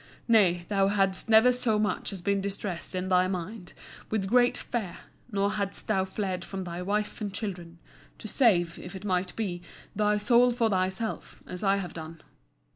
Nay, thou hadst never so much as been distressed in thy mind with great fear, nor hadst thou fled from thy wife and children, to save, if it might be, thy soul for thyself, as I have done.